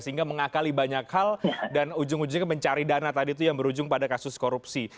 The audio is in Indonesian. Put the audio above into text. sehingga mengakali banyak hal dan ujung ujungnya mencari dana tadi itu yang berujung pada kasus korupsi